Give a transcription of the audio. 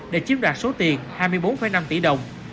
để chiếm đoạt số tiền hai mươi bốn năm tỷ đồng